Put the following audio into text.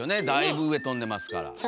だいぶ上飛んでますから。